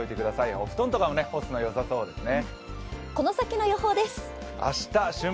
お布団とかも干すのよさそうですね。